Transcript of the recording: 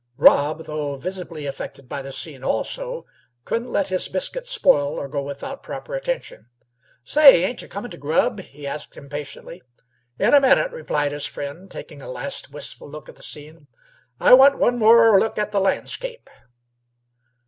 Rob, though visibly affected by the scene also, couldn't let his biscuit spoil or go without proper attention. "Say, ain't y' comin' t' grub?" he asked impatiently. "In a minute," replied his friend, taking a last wistful look at the scene. "I want one more look at the landscape."